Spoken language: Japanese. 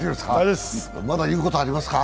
まだ言うことありますか？